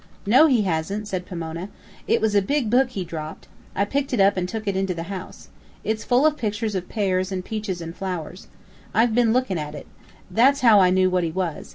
"No, he hasn't," said Pomona. "It was a big book he dropped. I picked it up and took it into the house. It's full of pictures of pears and peaches and flowers. I've been lookin' at it. That's how I knew what he was.